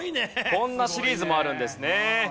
こんなシリーズもあるんですね。